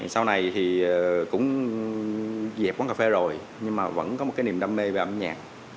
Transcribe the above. sau này thì cũng dẹp quán cà phê rồi nhưng mà vẫn có một cái niềm đam mê về âm nhạc